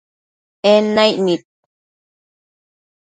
En naic nid